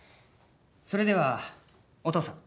それではお父さん。